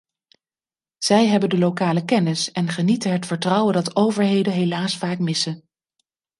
Zij hebben de lokale kennis en genieten het vertrouwen dat overheden helaas vaak missen.